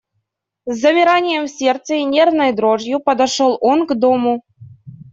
С замиранием сердца и нервной дрожью подошел он к дому.